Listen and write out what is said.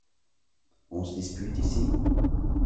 On se dispute ici ?